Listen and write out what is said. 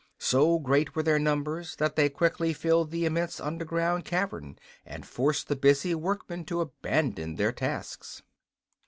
So great were their numbers that they quickly filled the immense underground cavern and forced the busy workmen to abandon their tasks.